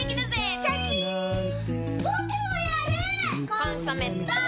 「コンソメ」ポン！